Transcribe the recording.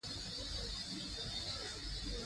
ازادي راډیو د تعلیم بدلونونه څارلي.